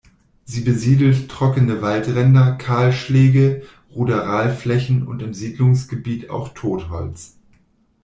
Sie besiedelt trockene Waldränder, Kahlschläge, Ruderalflächen und im Siedlungsgebiet auch Totholz.